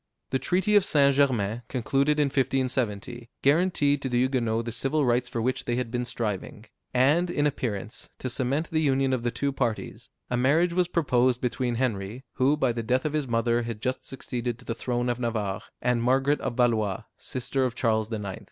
The treaty of St. Germain, concluded in 1570, guaranteed to the Huguenots the civil rights for which they had been striving; and, in appearance, to cement the union of the two parties, a marriage was proposed between Henry, who, by the death of his mother, had just succeeded to the throne of Navarre, and Margaret of Valois, sister of Charles IX.